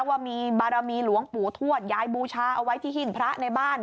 ว่ามีบารมีหลวงปู่ทวดยายบูชาเอาไว้ที่หิ้งพระในบ้าน